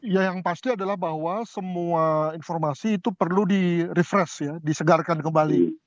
ya yang pasti adalah bahwa semua informasi itu perlu di refresh ya disegarkan kembali